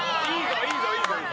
いいぞいいぞ！